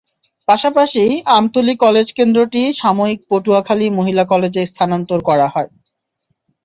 পাশাপাশি আমতলী কলেজ কেন্দ্রটি সাময়িক পটুয়াখালী মহিলা কলেজে স্থানান্তর করা হয়।